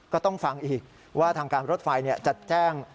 ก็ต้องฟังอีกว่าทางการรถไฟจะแจ้ง